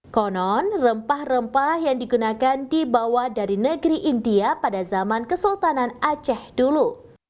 konon rempah rempah yang digunakan dibawa dari negeri india pada zaman kesultanan aceh dulu